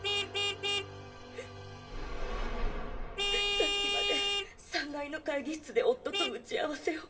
さっきまで３階の会議室で夫と打ち合わせを。